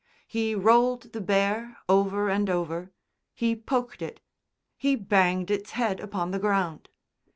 He rolled the bear over and over, he poked it, he banged its head upon the ground.